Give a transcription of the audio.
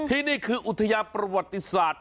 นี่คืออุทยานประวัติศาสตร์